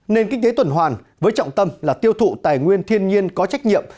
nền kinh tế tuần hoàn với trọng tâm là tiêu thụ tài nguyên thiên nhiên có trách nhiệm